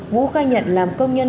vũ khai nhận làm công nhân